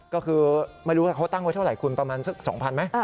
ก็คือไม่รู้ว่าเขาตั้งไว้เท่าไหร่คุณประมาณสัก๒๐๐๐ไหม